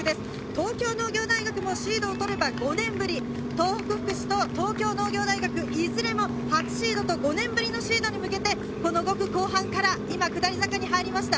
東京農業大学もシードを取れば５年ぶり、東北福祉と東京農業大学、いずれも初シードと、５年ぶりのシードに向けて、この５区後半から今、下り坂に入りました。